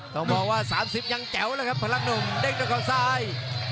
เพราะว่า๓๐ยังแจ๋วแล้วครับพลังหนุ่มเด็กตัวข้อซ้าย